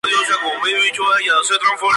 La regata tiene lugar a principios de febrero.